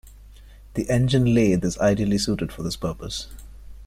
The engine lathe is ideally suited for this purpose.